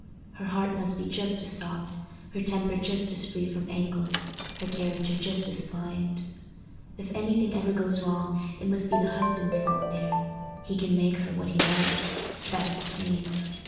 Her heart must be just as soft, her temper just as free from angles, her character just as pliant. If anything ever goes wrong, it must be the husband's fault there: he can make her what he likes—that is plain.